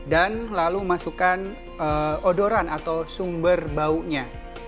dan lalu masukkan odoran atau sumber baunya